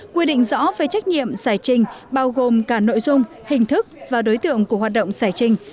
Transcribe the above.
quy định rõ về trách nhiệm giải trình bao gồm cả nội dung hình thức và đối tượng của hoạt động giải trình